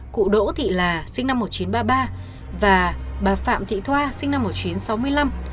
cụ đỗ thị là sinh năm một nghìn chín trăm ba mươi ba và bà phạm thị thoa sinh năm một nghìn chín trăm sáu mươi năm